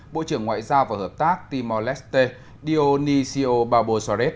bộ trưởng ngoại giao và hợp tác timor leste dionisio barbosaret